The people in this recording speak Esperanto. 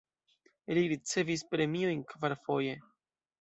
Li ricevis premiojn kvarfoje.